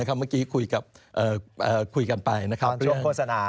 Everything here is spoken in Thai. เมื่อกี้คุยกันไปช่วงโฆษณา